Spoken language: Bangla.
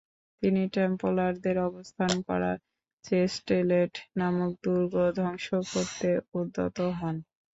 তিনি টেম্পলারদের অবস্থান করা চেস্টেলেট নামক দুর্গ ধ্বংস করতে উদ্যত হন।